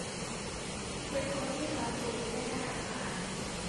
คุณเป็นคนที่เซ้าซี้ได้น่ารำคาญ